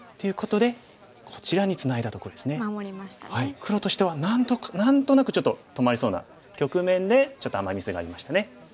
黒としては何となくちょっと止まりそうな局面でちょっとアマ・ミスがありましたね。